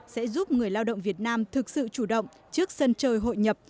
sẽ giúp người lao động việt nam thực sự chủ động trước sân chơi hội nhập